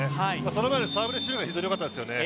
その前のサーブレシーブが非常に良かったですね。